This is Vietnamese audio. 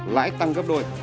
lãi tăng gấp đôi